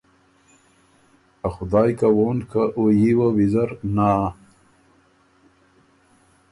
ا خدایٛ کوون که او يي وه ویزر نا۔